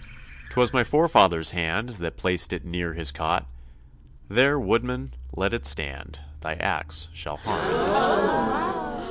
'Twas my forefather's hand That placed it near his cot; There, woodman, let it stand, Thy axe shall harm it not.